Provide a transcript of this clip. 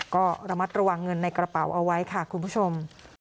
ก็ระมัดระวังเงินในกระเป๋าเอาไว้ค่ะคุณผู้ชม